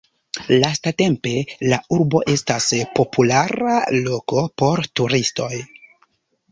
Lastatempe, la urbo estas populara loko por turistoj.